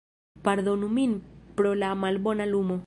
Pardonu min pro la malbona lumo